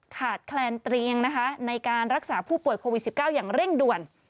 ขาดแคลนเตียงนะคะในการรักษาผู้ป่วยโควิด๑๙อย่างเร่งด่วน